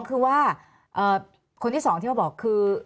๒คือว่าคนที่๒ที่บอกคือ